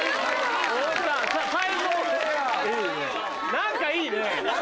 何かいいね。